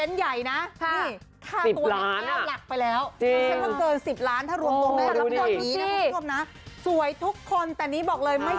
โอ้โห